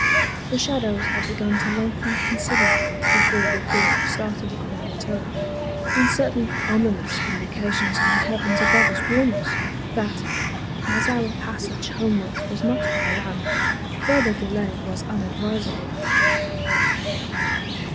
The shadows had begun to lengthen considerably before we thought of starting on our return, and certain ominous indications in the heavens above us warned us, that, as our passage homewards was not by land, further delay was unadvisable.